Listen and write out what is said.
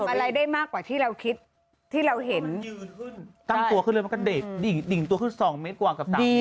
อะไรได้มากกว่าที่เราคิดที่เราเห็นตั้งตัวขึ้นเลยมันก็เด็กดิ่งตัวขึ้น๒เมตรกว่ากับ๓เมตร